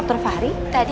kalau mama gak akan mencari